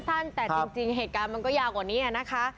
สั้นแต่จริงเหตุการณ์มันก็ยาวกว่านี้นะคะ